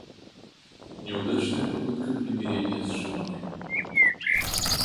Неудачная попытка примирения с женой.